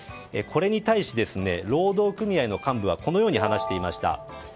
これに対して労働組合の幹部はこのように話していました。